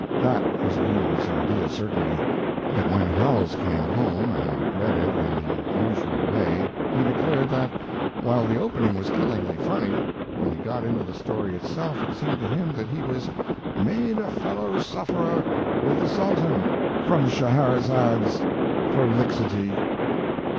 That was a humorous idea, certainly; but when Howells came home and read it in the usual way he declared that, while the opening was killingly funny, when he got into the story itself it seemed to him that he was "made a fellow sufferer with the Sultan from Scheherazade's prolixity."